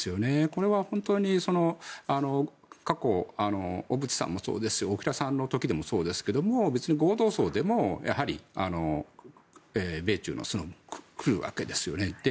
これは本当に過去小渕さんもそうですし大平さんの時もそうですが別に合同葬でも米中の方が来るわけですよね。